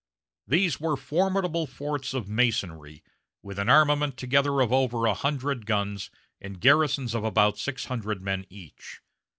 These were formidable forts of masonry, with an armament together of over a hundred guns, and garrisons of about six hundred men each.